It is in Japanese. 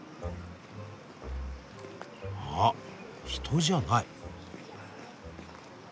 あ人じゃない。